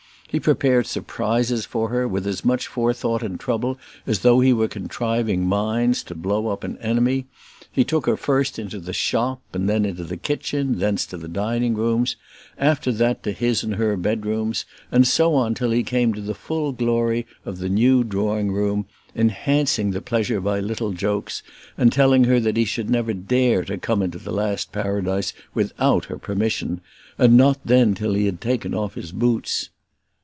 He prepared surprises for her with as much forethought and trouble as though he were contriving mines to blow up an enemy. He took her first into the shop, and then into the kitchen, thence to the dining rooms, after that to his and her bedrooms, and so on till he came to the full glory of the new drawing room, enhancing the pleasure by little jokes, and telling her that he should never dare to come into the last paradise without her permission, and not then till he had taken off his boots.